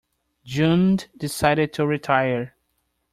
June decided to retire.